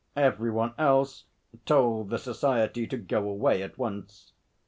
Every one else told the Society to go away at once.